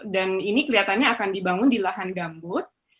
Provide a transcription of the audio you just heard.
dan ini kelihatannya akan dibangun di lahan gambut